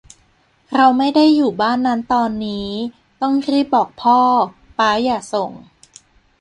เราไม่ได้อยู่บ้านนั้นตอนนี้ ต้องรีบบอกพ่อ ป๊าอย่าส่ง